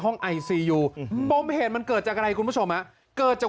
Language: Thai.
ห้องไอซียูมมเพจมันเกิดจากอะไรคุณผู้ชมอ่ะเกิดจาก